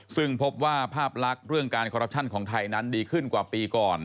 ซึ่งพบว่าภาพลักษณ์เรื่องการคอรัปชั่นของไทยนั้นดีขึ้นกว่าปีก่อน